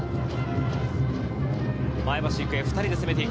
前橋育英、２人で攻めて行く。